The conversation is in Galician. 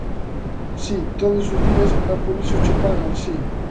Si, todos os días e por iso che pagan, si.